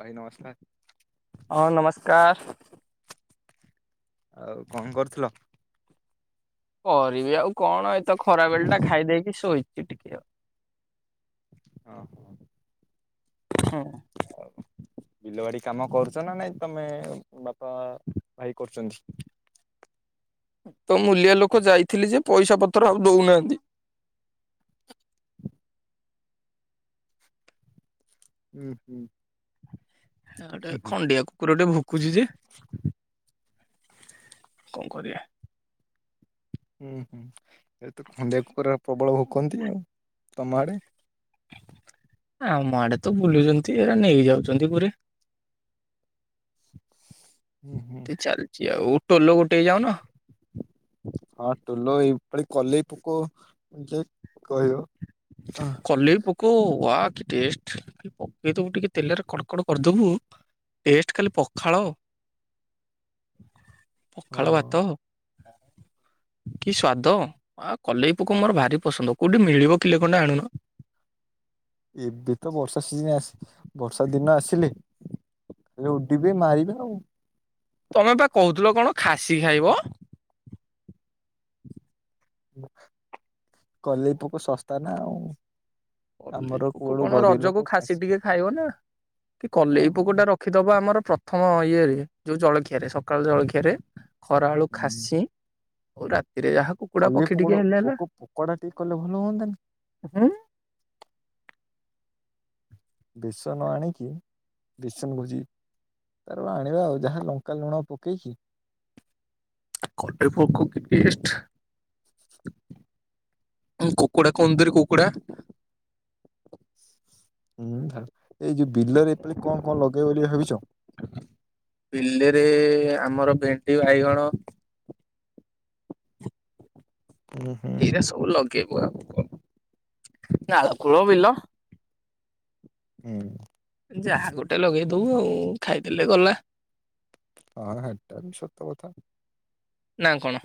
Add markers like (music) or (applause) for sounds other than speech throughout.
ଭାଇ ନମସ୍କାର୍। ହଁ ନମସ୍କାର୍। ଆଉ କଣ କରୁଥିଲ? କରିବି ଆଉ କଣ ଏତ ଖରା ବେଳେ ଟା ଖାଇଦେଇକି ଶୋଇଚି ଟିକେ ଆଉ। ହଁ। ହଁ। ଆଉ ବିଲ ବାଡି କାମ କରୁଛ ନା ନାଇଁ ତମେ ବାପା, ଭାଇ କରୁଛନ୍ତି। ତ ମୂଲିଆ ଲୋକ ଯାଇଥିଲି ଯେ ପଇସା ପତ୍ର ଆଉ ଦଉନାହାନ୍ତି। ଉଁ ହୁଁ। ଏ ଗୋଟେ ହୁଁ ହୁଁ। ଖଣ୍ଡିଆ କୁକୁର ଟେ ଭୁକୁଛି ଯେ। କଣ କରିବା? ହୁଁ ହୁଁ ଏ ତ ଖଣ୍ଡିଆ କୁକୁର ପ୍ରବଳ ଭୋକନ୍ତି ଆଉ। ତମ ଆଡେ? ଆମ ଆଡେ ତ ବୁଲୁଛନ୍ତି ଏ ନେଇ ଯାଉଛନ୍ତି ପୁରି। ହୁଁ ହୁଁ ତି ଚାଲିଚି ଆଉ ଟୋଲ୍ ଗୋଟେଇ ଯାଉନ। ହଁ ଟୋଲ ଏଇ ଭଳି କଲେଇ ପୋକ ଯେ କହିବ। କଲେଇ ପୋ କ ୱା କି ଟେଷ୍ଟ ଖାଲି ପକେଇଦବୁ ଟିକେ ତେଲରେ କଡ଼କଡ଼ କରିଦବୁ। ଟେଷ୍ଟ ଖାଲି ପଖାଳ। (inaudible) ପଖାଳ ହଁ ଭାତ। କି ସ୍ଵାଦ। ଆ କଲେଇ ପୋକ ମୋର ଭାରି ପସନ୍ଦ କୋଉଠି ମିଳିବ? କିଲେ ଖଣ୍ଡେ ଆଣୁନ। ଏବେ ତ ବର୍ଷା ସିଜିନ ଆସ ବର୍ଷା ଦିନ ଆସିଲେ। ଖାଲି ଉଡିବେ ମାରିବେ ଆଉ। ତମେ ପା କହୁଥିଲ କଣ ଖାସି ଖାଇବ? କଲେଇ ପୋକ ଶସ୍ତା ନା ଆଉ। କଲେଇ ଆମର ପୋକ କୁଆଡୁ କଣ ଗରିବ ଲୋକ ରଜକୁ ଖାସି ଟିକେ ଖାଇବ ନା। କି ନା କଲେଇ ଆମ ପୋକ ଟା ର ଖିଦବ ଆମର ପ୍ରଥମ ଇଏରେ ଯଉ ଜଳଖିଆରେ ସକାଳ ଜଳଖିଆରେ ଖରାବେଳୁ ହୁଁ। ଖାସି। ଓ ରାତିରେ ଯାହାକୁ। କଲେଇ ପୋକଡ ପୋକ ପୋକଡା ଟିକେ କଲେ ଭଲ ହୁଅନ୍ତାନି। ଉ ହୁଁ ବେସନ ଆଣିକି ବେସନ କହୁଚି। ତାର ବା ଆଣିବା ଆଉ ଯାହା ଲଙ୍କା, ଲୁଣ ପକେଇକି। କଲେଇ ପୋକ କି ଟେଷ୍ଟ। ଉଁ କୁକୁଡ଼ା, କନ୍ଦୁରି କୁକୁଡ଼ା। ହୁଁ ଧ ଏଇ ଯୋଉ ବିଲରେ ଏପାଳି କଁ କଁ ଲଗେଇବ ବୋଲି ଭାବିଛ? ବିଲେରେ ଆମର ଭେଣ୍ଡି, ବାଇଗଣ। ହୁଁ ହୁଁ ଏଇରା ସବୁ ଲଗେଇବୁ ଆଉ କ ନାଳ କୂଳ ବିଲ। ହୁଁ। ଯାହା ଗୋଟେ ଲଗେଇ ଦବୁ ଆଉ ଖାଇଦେଲେ ଗଲା। ହଁ ହେଟା ବି ସତ କଥା। ନା କଣ?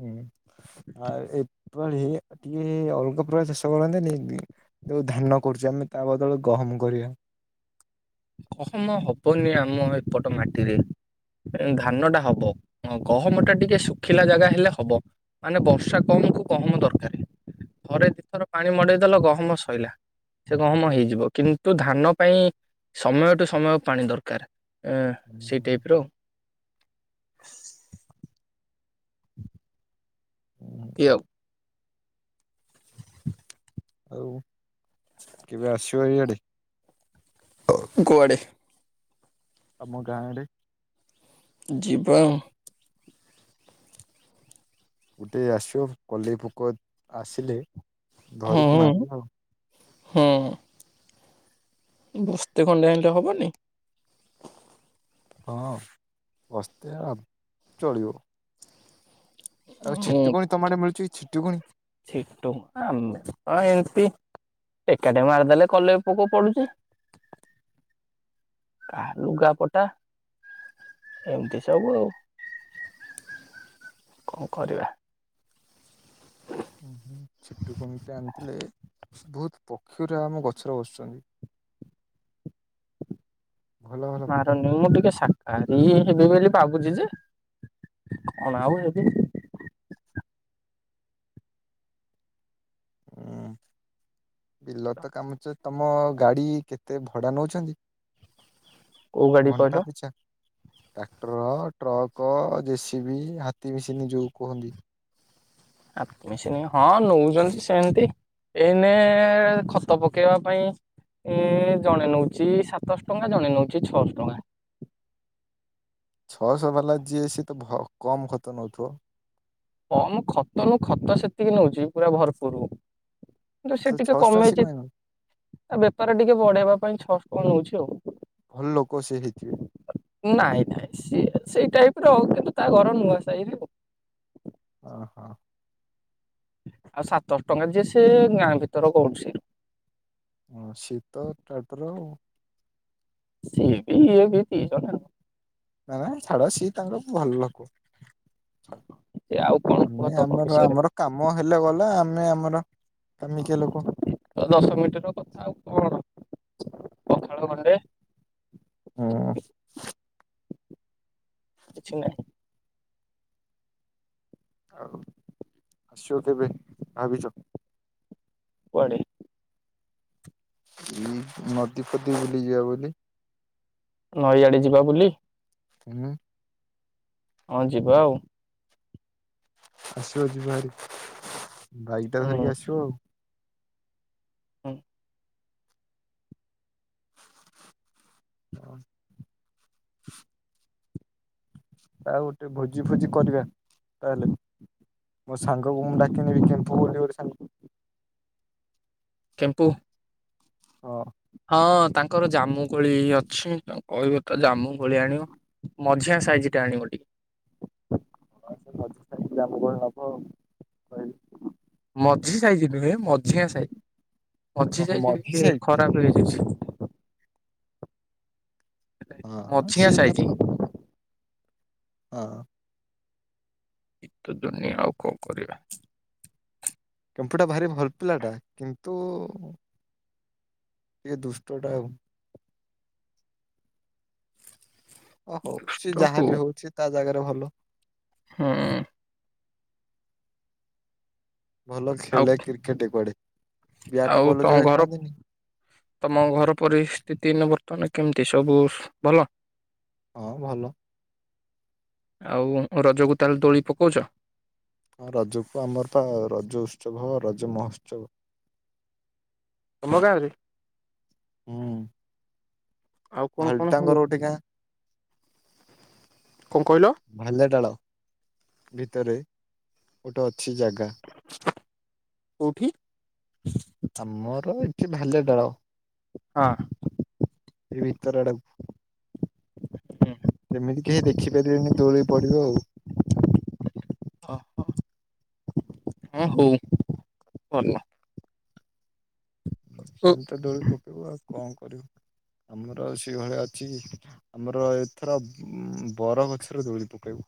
ହୁଁ ଆ ଏପାଳି ଟିକେ ଅଲଗା ପ୍ରକାର ଚାଷ କରନ୍ତେନି ବି ଯୋଉ ଧାନ କରୁଚେ ଆମେ ତା ବଦଳ ଗହମ କରିବା। ଗହମ ହବନି ଆମ ଏପଟ ମାଟିରେ ଏଁ ଧାନ ଟା ହବ। ହଁ ଗହମ ଟା ଟିକେ ଶୁଖିଲା ଜାଗା ହେଲେ ହବ ମାନେ ବର୍ଷା କମକୁୁ ଗହମ ଦରକାର। ଥରେ ଦିଥର ପାଣି ମଡେଇଦେଲ ଗହମ ଶଇଲା। ସେ ଗହମ ହେଇଯିବ। କିନ୍ତୁ ଧାନ ପାଇଁ ସମୟ ଠୁ ସମୟ ପାଣି ଦରକାର। ଏ ସେଇ ଟାଇପର। ହୁଁ। କି ଆଉ। ଆଉ କେବେ ଆସିବ ଇଆଡେ? କୁଆଡେ? ଆମ ଗାଁ ଆଡେ? ଯିବା ଆଉ। ଗୋଟେ ଆସିବ କଲେଇ ପୋକ ଆସିଲେ ଧରିକି ହଁ ମାରିବ ଆଉ। ହଁ। ବସ୍ତେ ଖଣ୍ଡେ ଆଇଁଲେ ହବନି? ହଁ ବସ୍ତେ ଆ ଚଳିବ। ଆଉ ଛିଟୁକୁଣି ତମ ଆଡ଼େ ମିଳୁଚି କି ଛିଟୁକୁଣି? ଛିଟୁ ଆମେ ଅ ଏମତି। ଏକାଟିଆ ମାରିଦେଲେ କଲେଇ ପୋକ ପଡୁଚି। କାହା ଲୁଗା ପଟା। ଏମତି ସବୁ ଆଉ କଣ କରିବା। ଉ ଛିଟୁକୁଣି ଟା ଆଣିଥିଲେ ବହୁତ୍ ପକ୍ଷୀ ଗୁରା ଆମ ଗଛରେ ବସିଚନ୍ତି। ମାରନି ମୁ ଟିକେ ସା କାଲି ହେବି ବୋଲି ଭାବୁଚି ଯେ, କଣ ଆଉ ହେବି। ହୁଁ। ବିଲ ତ କାମବ ତମ ଗାଡି କେତେ ଭଡା ନଉଛନ୍ତି? କୋଉ ଗାଡି କହିଲ ଘଣ୍ଟା ପିଛା? ଟ୍ରାକ୍ଟର, ଟ୍ରକ ଜେସିବିି ହାତୀ ମସିନ୍ ଯୋଉ କୁହନ୍ତି ହାତୀ ମେସିନ୍ ହଁ ନଉଛନ୍ତି ସେମିତି। ଏଇନେ ଖତ ପକେଇବା ପାଇଁ ଏ ଜଣେ ନେଉଛି ସାତଶହ ଟଙ୍କା ଜଣେ ନେଉଛି ଛଅଶହ ଟଙ୍କା ଛଅଶହ ବାଲା ଯିଏ ସିଏ ତ କମ ଖତ ନୋଉଥିବ ହଁ ମୁଁ ଖତ ନୁ ଖତ ସେତିକି ନଉଛି ପୁରା ଭରପୁର। କିନ୍ତୁ ସେ ଆଛା ଟିକେ ଛଅଶହ ଟଙ୍କା ସିଏ କମେଇଛି କାଇଁ ନଉ ତା ବେପାର ଟିକେ ବଢେଇବା ପାଇଁ ଛଅ କଣ ନଉଛି ଆଉ। ଭଲ ଲୋକ ସେ ହେଇଥିବେ। ନାଇଁ ନାଇଁ ସିଏ ସେଇ ଟାଇପର ଆଉ କିନ୍ତୁ ତା ଘର ନୁଆ ସାହିରେ ଆଉ। (inaudible) ଓହୋ। ଆଉ ସାତଶହ ଟଙ୍କା ଯିଏ ସିଏ ଗାଁ ଭିତର କରୁଛି, ହଁ ଶୀତ ଟାଟର ଆଉ।। ସିଏ ବି ଇଏ ବି ଦିଜଣ। ନା ନା ଛାଡ ସିଏ ତାଙ୍କର ଭଲ ଲୋକ। ସେ ଆଉ କଣ କୁହ ନାଇ ଆମେ ତମ ଆମର ବିଷୟରେ ଆମର କାମ ହେଲେ ଗଲେ ଆମେ ଆମର କାମିକି ଲୋକ ଦଶ ମିନିଟର କଥା ଆଉ କଣ ପଖାଳ ଗଣ୍ଡେ ହଁ। କିଛିନାହିଁ। ଆଉ ଆସିବ କେବେ ଭାବିଛ? କୁଆଡ଼େ? ଏଇ ନଦୀ ପଦୀ ବୁଲି ଯିବା ବୋଲି। ନଈ ଆଡେ ଯିବା ବୂଲି। ଆଁ ହଁ ଯିବା ଆଉ। ଆସିବ ଯିବାହାରି ବାଇକଟା ହୁଁ ଧରିକି ଆସିବ ଆଉ। ହୁଁ। ହଁ। ଆଉ ଗୋଟେ ଭୋଜି ଫୋଜି କରିବା ତାହେଲେ। ମୋ ସାଙ୍ଗକୁ ମୁଁ ଡାକିନେବି କେମ୍ପୁ ବୋଲି ଗୋଟେ ସାଙ୍ଗକୁ। କେମ୍ପୁ? ହଁ। ହଁ ତାଙ୍କର ଜାମୁ କୋଳି ଅଛି। କହିବ ତ ଜାମୁ କୋଳି ଆଣିବ ମଝିଆ ସାଇଜ୍ ଟା ଆଣିବ ଟିକେ? ହଁ ସେ ମଝି ସାଇଜ୍ ଜାମୁ କୋଳି ନବ ଆଉ କହିଲି। ମଝି ସାଇଜ୍ ନୁହେଁ ମଝିଆଁ ସାଇ ଅଛି ଓହୋ ସାଇଜ୍ ସାଇଜ୍ ମଝି କିଏ ସାହି ଖରାପ୍ ରୁହେ କିଛି। ହଁ ସିଏ ତାର ସବୁ ହଁ। ଏ ତ ଦୁନିଆଁ ଆଉ କଁ କରିବା। କେମ୍ପୁଟା ଭାରି ଭଲ୍ ପିଲାଟା କିନ୍ତୁ ଟିକେ ଦୁଷ୍ଟ ଟା ଆଉ। ଅ ହଉ ତ ସିଏ ଯାହା ହଉ ବିି ହୋଉ ସିଏ ତା ଜାଗାରେ ଭଲ। ହୁଁ। ଭଲ ଆଉ ଖେଳି କ୍ରିକେଟେ କୁଆଡେ ବ୍ୟାଟ ଆଉ ବଲ ତମ ଯୋଉଗୁରା ଘର ଖେଳନ୍ତିନି। ତମ ଘର ପରିସ୍ଥିତି ଏଇନେ ବର୍ତ୍ତମାନ କେମିତି ସବୁ ସୁ ଭଲ? ହଁ ଭଲ। ଆଉ ଉଁ ରଜକୁ ତାହେଲେ ଦୋଳି ପକୋଉଚ? ହଁ ରଜୁକୁ ଆମର ତ ରଜ ଉତ୍ସବ ହବ ରଜ ମହୋତ୍ସବ। ତମ ଗାଁ ରେ? ହୁଁଉଁ। ଆଉ କଣ କଣ ହୁଏ ଭାଲୁଟାଙ୍ଗର ଗୋଟେ ଗାଁ। କଣ କହିଲ ଭାଲିଆ ଡାଳ ଭିତରେ ଗୋଟେ ଅଛି ଜାଗା। କୋଉଠି? ଆମର ଏଠି ଭାଲିଆ ଡାଳ। ହଁ। ଏଇ ଭିତର ଆଡାକୁ। କେମିତି କେହି ଦେଖିପାରିବେନି ଦୋଳି ପଡିବ ଆଉ। ଓ ହ ଅଁ ହୋଉ ଭଲା। ଓ ସେମିତି ତ ଡୋଳି ପକେଇବୁ ଆଉ କଁ କରିବୁ ଆମର ଆଉ ସେଇ ଭଳିଆ ଅଛି? ଆମର ଏଥର ବୁଁ ବର ଗଛରେ ଦୋଳି ପକେଇବୁ।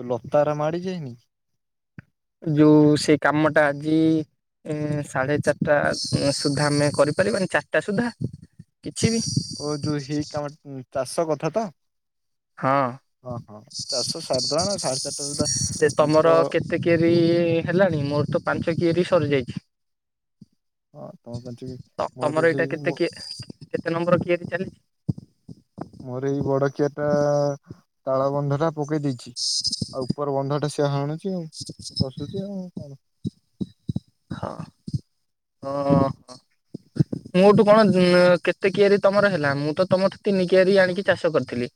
ଯୋଉ ଲତା ଉରା ମାଡି ଯାଇନି? ଯୋଉ ସେଇ କାମଟା ଆଜି ଉଁ ସାଢେ ଚାଟା ଉଁ ସୁଦ୍ଧା ଆମେ କରିପାରିବାନି ଚାଟା ସୁଦ୍ଧା? କିଛି ବି। ଓ ଯୋଉ ହେଇ କାମ ଉଁ ଚାଷ କଥା ତ? ହଁ ଅଁ ହଁ ଚାଷ ସାରିଦବାନା ସାଢ଼ ଚାର୍ଟା ରେ ଗୋଟା ସେ ମୁଁ ତମର ତ କେତେ କିଆରି ହେଲାଣି? ମୋର ତ ପାଞ୍ଚ କିଆରି ସରିଯାଇଛି। ହଁ ତମ ପାଞ୍ଚ ତ ମୋର ତମର ଏଇଟା ସେଇ କେତେ କି କେତେ ନମ୍ବର କିଆରି ଚାଲିଚି। ମୋର ଏଇ ବଡ କିଆରିଟା ଆ ତାଳବନ୍ଧ ଟା ପକେଇ ଦେଇଛି। ଆଉ ଉପର ବନ୍ଧ ଟା ସିଏ ହାଣୁଚି ଆଉ। ସୁଜି ଆଉଁ କଣ? ହଅ। ଅଁ ହଁ। ମୋଠୁ କଣ ଯଁ ଏଁ କେତେ କିଆରି ତମର ହେଲା ମୁଁ ତ ତମଠୁ ତିନିକିଆରି ଆଣିକି ଚାଷ କରିଥିଲି।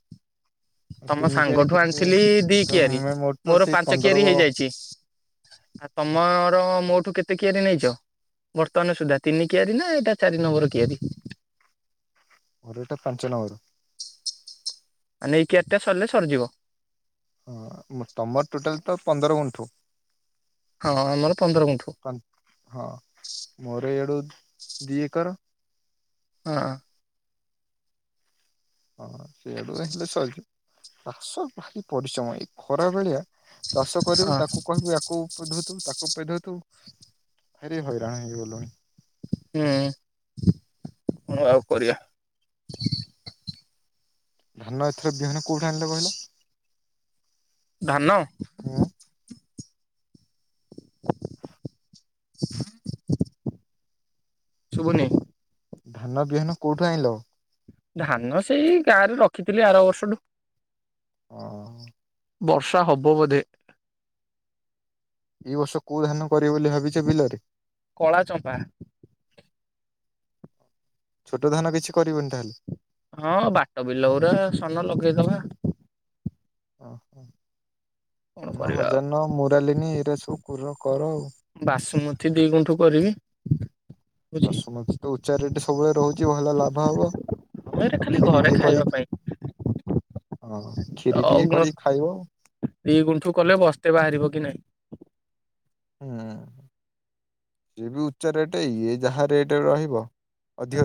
ତମ ତିନିକିଆରେ ସାଙ୍ଗଠୁ କେତେ ଆଣିଥିଲି ଦି ତ କିଆରି ମୁଁ ତ ମୋର ସେଇ ପାଞ୍ଚ ପନ୍ଦର କିଆରି ହେଇଯାଇଚି। ଆ ତମର ମୋଠୁ କେତେ କିଆରି ନେଇଚ? ବର୍ତ୍ତମାନ ସୁଦ୍ଧା ତିନି କିଆରି ନା ଏଇଟା ଚାରି ନମ୍ବର କିଆରି। ମୋର ଏଟା ପାଞ୍ଚ ନମ୍ବର। ମାନେ ଏଇ କିଆରିଟା ସରିଲେ ସରିଯିବ। ହଁ ଅମ ତମର ଟୋଟାଲ୍ ତ ପନ୍ଦର ଗୁଣ୍ଠୁ। ହଁ ଅଁ ଆମର ପନ୍ଦର ଗୁଣ୍ଠୁ। ପନ ହଁ ମୋର ୟାଡୁ ଦି ଏକର। ହଁଅଁ। ହଁ ସେଇଆଡୁଆ ହେଲେ ସରିଯିବ ଚାଷ ଭାରି ପରିଶ୍ରମ ଏଇ ଖରା ବେଳିଆ ତାଷ କରିବୁ ହଁ ତାକୁ କହିବୁ ୟାକୁ ପେଧଉ ଥିବୁ ତା କୁ ପେଧଉଥୁବୁ ଭାରି ହଇରାଣ ହେଇଗଲୁଣି। ହୁଁ କଁ ଆଉ କରିବା? ଧାନ ଏଥର ବିହନ କୋଉଠୁ ଆଣିଲେ କହିଲ? ଧାନ। ହଁଅଁ। ଶୁଭୁନି। ଧାନ ବିହନ କୋଉଠୁ ଆଇଁଲ? ଧାନ ସେଇ ଗାଁ ରେ ରଖିଥିଲି ଆର ବର୍ଷଡୁ। ହଁ, ଅଁ। ବର୍ଷା ହବ ବୋଧେ। ଏଇ ବର୍ଷ କୋଉ ଧାନ କରିବ ବୋଲି ଭାବିଛ ବିଲରେ? କଳା ଚମ୍ପା। ଛୋଟ ଧାନ କିଛି କରିବନି ତାହେଲେ। ହଁ, ବାଟ ବିଲଗୁରା ସ୍ବର୍ଣ୍ଣ ଲଗେଇଦବା। ଓହୋ କଣ ନ କରିବା ଆଉ ହଜାନ ମୁରଲିନୀ, ଏଇରା ସବୁ କୂର କର। ବାସୁମତୀ ଦି ଗୁଣ୍ଠୁ କରିବି। ବୁଝି ବସୁମତୀ ତ ଉଚ୍ଚା ରେଟ ସବୁବେଳେ ରହୁଛି, ଭଲ ଲାଭ ହବ। ଏରେ ଖାଲି କ୍ଷୀରି ଘରେ ଟିକେ କରି ଖାଇବା ପାଇଁ। ହଁ, ଖିରି ଟିକେ ତ କରିକି ଖାଇବ। ଦି ଗୁଣ୍ଠୁ କଲେ, ବସ୍ତେ ବାହାରିବ କି ନାହିଁ? ହୁଁ, ସିଏ ବି ଉଚ୍ଚା ରେଟ୍ ଇଏ ଯାହା ରେଟ୍ ରହିବ। ଅଧିକ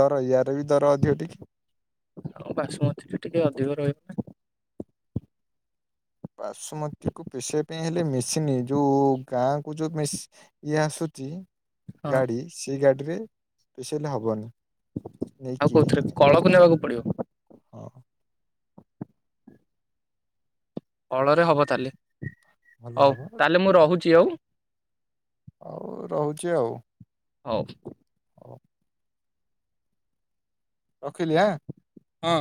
ଦର ୟାର ବି ଦର ଅଧିକ ଟିକେ। ଆଉ, ବାସୁମତୀରେ ଟିକେ ଅଧିକ ରହିବ। ବାସୁମତୀକୁ ପେସେଇବା ପାଇଁ ହେଲେ ମେସିନ ଯୋଉ ଗାଁକୁ ଯୋଉ ମେସ ଇଏ ଆସୁଛି ନା ହଁ ଗାଡ଼ି ସେ ଗାଡ଼ିରେ ପେଷେଇଲେ ହବନି। ଆଉ ନେଇକି କୋଉଥିରେ? କଳକୁ ନବାକୁ ପଡ଼ିବ। ହଁ, କଳରେ ହବ ତାଲେ, ଭଲ ହଉ ହବ ତାହେଲେ ମୁ ରହୁଛି ଆଉ। ହଉ, ରହୁଛି ଆଉ। ହଉ, ହ ରଖିଲି ଆଁ। ହଁ,